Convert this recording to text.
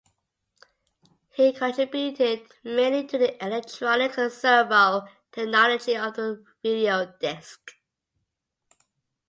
He contributed mainly to the electronics and servo technology of the video disc.